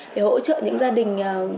để hỗ trợ những gia đình